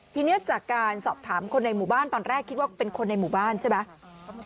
ทีนี้จากการสอบถามคนในหมู่บ้านตอนแรกคิดว่าเป็นคนในหมู่บ้านใช่ไหม